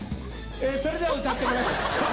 それでは歌ってもらいましょう。